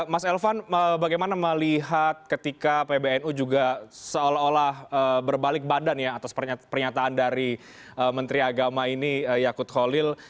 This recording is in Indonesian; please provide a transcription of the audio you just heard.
mas elvan bagaimana melihat ketika pbnu juga seolah olah berbalik badan ya atas pernyataan dari menteri agama ini yakut holil